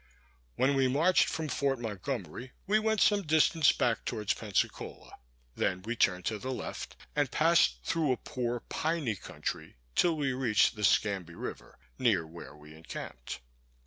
When we marched from Fort Montgomery, we went some distance back towards Pensacola; then we turned to the left, and passed through a poor piny country, till we reached the Scamby river, near which we encamped.